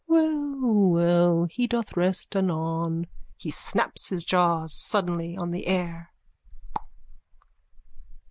_ Well, well. He doth rest anon. (He snaps his jaws suddenly on the air.)